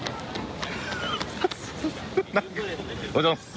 おはようございます。